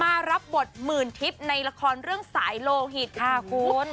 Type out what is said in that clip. รับบทหมื่นทิพย์ในละครเรื่องสายโลหิตค่ะคุณ